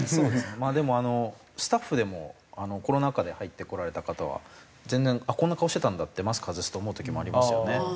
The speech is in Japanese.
まあでもスタッフでもコロナ禍で入ってこられた方は全然こんな顔してたんだってマスク外すと思う時もありますよね。